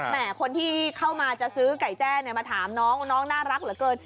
คนที่เข้ามาจะซื้อไก่แจ้มาถามน้องน้องน่ารักเหลือเกิน